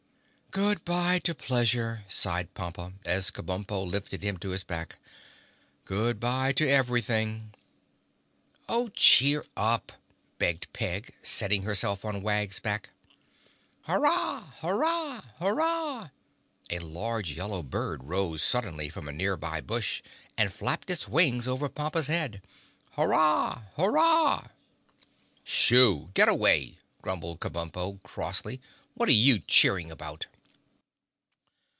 "Good bye to pleasure," sighed Pompa, as Kabumpo lifted him to his back. "Good bye to everything!" "Oh, cheer up," begged Peg, settling herself on Wag's back. "Hurrah! Hurrah! Hurrah!" A large yellow bird rose suddenly from a near by bush and flapped its wings over Pompa's head. "Hurrah! Hurrah!" "Shoo! Get away!" grumbled Kabumpo crossly. "What are you cheering about?"